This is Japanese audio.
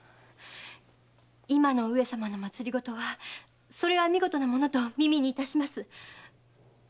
今の上様の政はそれは見事なものと耳にいたします。